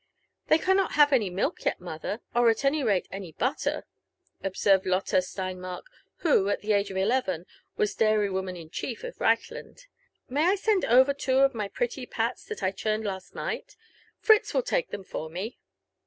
" They cannot have any milk yet, mother — or, at any rale, any butter," observed Lotte Steinmark, who, at the age of eleven, was dairy woman in chief of Reiphland :m^y I send over two of my pretty pats that I churned last night? Fritz virill take them for me."